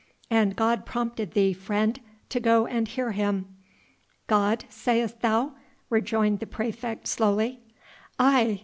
"And God prompted thee, friend, to go and hear Him." "God, sayest thou?" rejoined the praefect slowly. "Aye!